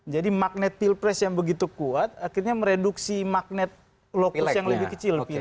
magnet pilpres yang begitu kuat akhirnya mereduksi magnet lokus yang lebih kecil